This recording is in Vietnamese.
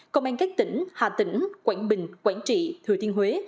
công an các tỉnh hà tĩnh quảng bình quảng trị thừa thiên huế